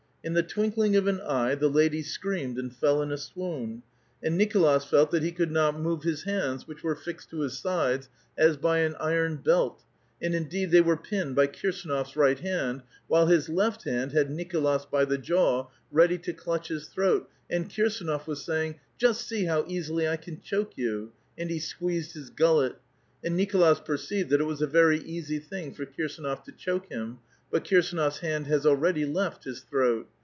In the twinkling of an eye the lady screamed and fell in a swoon; and Nicolas felt that he could not move hii 198 A VITAL QUESTION'. hands, which were fixed to his sides, as by an iron belt; and indeed they were pinned by Kirsdnof s right hand, while liis left hand had Nicolas by the jaw, ready to clutch his tlu'oat, and Kirsdnof was saying, Just see how easily I can choke you." And he squeezed his gullet ; and Nicolas perceived that it was a very easj^ thing for Kirsanot* to choke him ; but Kirsdnofs hand has already left his throat.